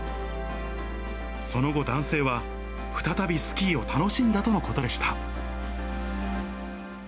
その後、男性は再びスキーを楽しんだとのことでした。